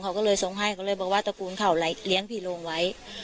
เขาก็เลยทรงให้เขาเลยบอกว่าตระกูลเขาเลี้ยงผีโรงไว้